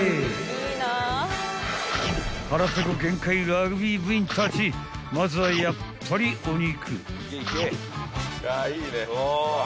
［腹ペコ限界ラグビー部員たちまずはやっぱりお肉］